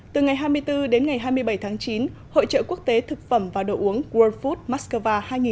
từ ngày hai mươi bốn đến ngày hai mươi bảy tháng chín hội trợ quốc tế thực phẩm và đồ uống world food moscow hai nghìn một mươi chín